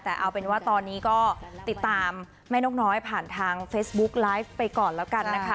แต่เอาเป็นว่าตอนนี้ก็ติดตามแม่นกน้อยผ่านทางเฟซบุ๊กไลฟ์ไปก่อนแล้วกันนะคะ